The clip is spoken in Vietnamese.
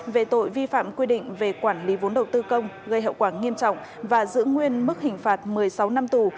về tội vi phạm quy định về quản lý vốn đầu tư công gây hậu quả nghiêm trọng và giữ nguyên mức hình phạt một mươi sáu năm tù